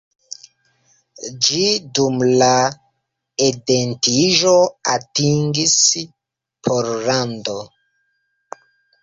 Ĝi dum la etendiĝo atingis Pollandon.